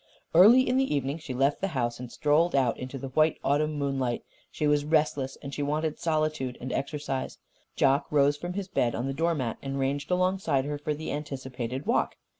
Early in the evening she left the house and strolled out into the white autumn moonlight. She was restless, and she wanted solitude and exercise. Jock rose from his bed on the doormat and ranged alongside her for the anticipated walk.